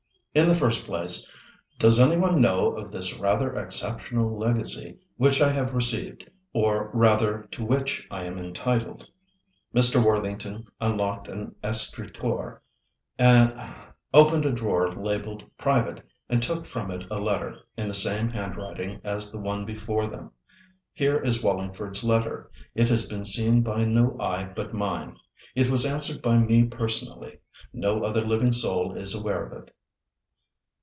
In the first place, does any one know of this rather exceptional legacy which I have received, or rather to which I am entitled?" Mr. Worthington unlocked an escritoire, opened a drawer labelled "Private," and took from it a letter in the same handwriting as the one before them. "Here is Wallingford's letter. It has been seen by no eye but mine. It was answered by me personally. No other living soul is aware of it."